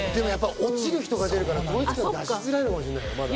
落ちる人が出るんで、統一感出しづらいのかもしれない。